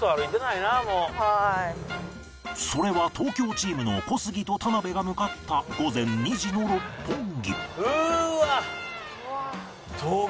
それは東京チームの小杉と田辺が向かった午前２時の六本木